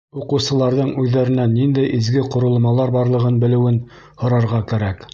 Уҡыусыларҙың үҙҙәренән ниндәй изге ҡоролмалар барлығын белеүен һорарға кәрәк.